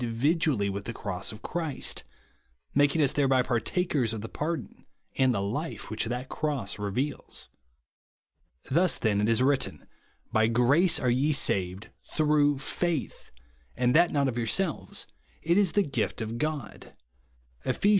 dividiially with the cross of Christ; making lis thereby partakers of the pardon and the life v/hich that cross reveals. Thus then it is written, "By grace are ye saved, through faith; and that not of yourselves : it is the gift of God," (Eph. ii.